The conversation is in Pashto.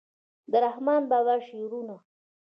د رحمان بابا شعرونه